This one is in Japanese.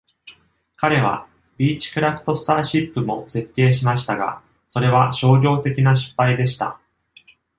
彼は、ビーチクラフトスターシップも設計しましたが、それは商業的な失敗でした。